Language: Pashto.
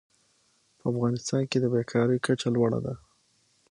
په افغانستان کې د بېکارۍ کچه لوړه ده.